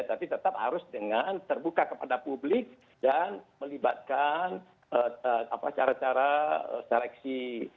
tapi tetap harus dengan terbuka kepada publik dan melibatkan cara cara seleksi